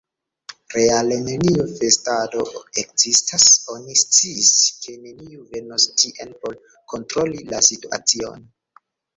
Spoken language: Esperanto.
Reale neniu festado ekzistas: oni sciis, ke neniu venos tien por kontroli la situacion.